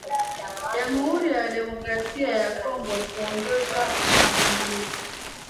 jamhuri ya kidemokrasia ya Kongo kuongoza mashambulizi